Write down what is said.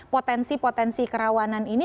potensi potensi kerawanan ini